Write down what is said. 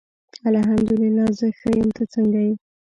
الحمد الله زه ښه یم ته څنګه یی